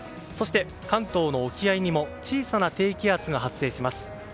そして関東の沖合にも小さな低気圧が発生します。